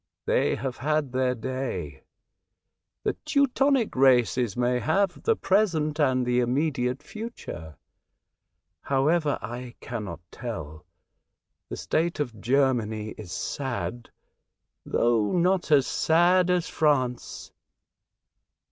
They have had their day. The Teu tonic races may have the present and the immediate future. However, I cannot tell. The state of Germany is sad, though not as sad as France."